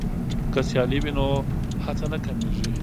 که سیالي وي نو هڅه نه کمېږي.